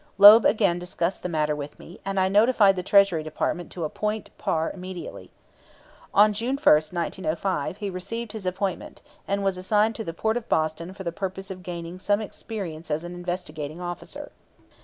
Loeb again discussed the matter with me; and I notified the Treasury Department to appoint Parr immediately. On June 1, 1905, he received his appointment, and was assigned to the port of Boston for the purpose of gaining some experience as an investigating officer.